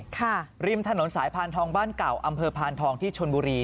ริมถนนสายพานทองบ้านเก่าอำเภอพานทองที่ชนบุรี